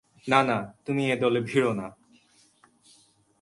না না, তুমি এ দলে ভিড়ো না!